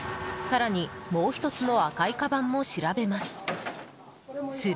更に、もう１つの赤いかばんも調べます。